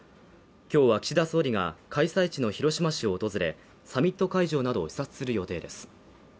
今日は岸田総理が開催地の広島市を訪れ、サミット会場などを視察する予定です。